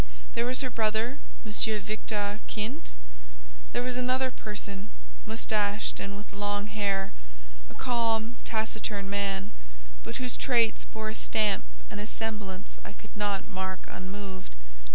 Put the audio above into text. There was her brother, M. Victor Kint; there was another person, moustached and with long hair—a calm, taciturn man, but whose traits bore a stamp and a semblance I could not mark unmoved.